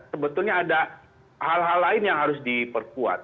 sebetulnya ada hal hal lain yang harus diperkuat